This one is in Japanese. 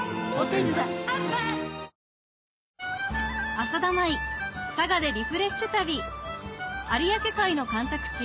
浅田舞佐賀でリフレッシュ旅有明海の干拓地